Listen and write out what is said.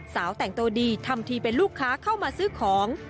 สาวแต่งตัวดีทำทีเป็นลูกค้าเข้ามาซื้อของ